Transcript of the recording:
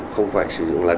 không phải sử dụng